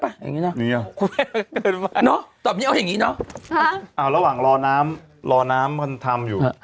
อย่างนี้เนอะตอนนี้เอาอย่างงี้เนอะอ่าระหว่างรอน้ำรอน้ำมันทำอยู่